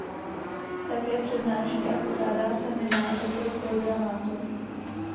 Také přednáší a pořádá semináře pro programátory.